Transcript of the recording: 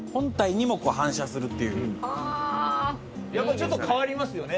ちょっと変わりますよね